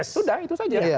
sudah itu saja